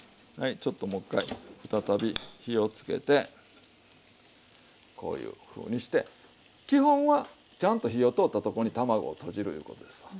ちょっともう一回再び火をつけてこういうふうにして基本はちゃんと火を通ったとこに卵をとじるいうことですわ。